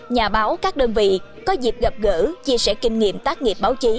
nhà báo các đơn vị có dịp gặp gỡ chia sẻ kinh nghiệm tác nghiệp báo chí